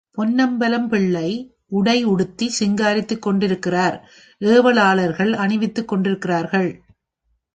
பொன்னம்பலம் பிள்ளை உடை உடுத்திச் சிங்காரித்துக் கொண்டிருக்கிறார் ஏவலாளர்கள் அணிவித்துக் கொண்டிருக்கிறார்கள்.